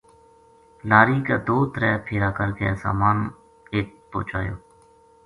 لاری کا دو ترے پھیرا کر کے سامان اَت پوہچایو